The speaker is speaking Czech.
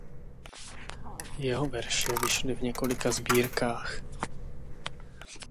Jeho verše vyšly v několika sbírkách.